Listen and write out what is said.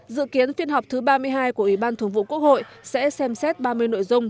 dự kiến phiên họp thứ ba mươi hai của ủy ban thường vụ quốc hội sẽ xem xét ba mươi nội dung